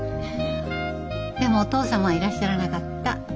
でもお父様はいらっしゃらなかった。